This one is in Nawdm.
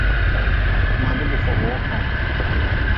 Madi bi fog-wu hKHm.